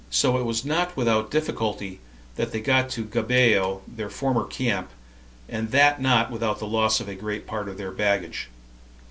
So it was not without difficulty that they got to Gabao, their former camp, and that not without the loss of a great part of their baggage.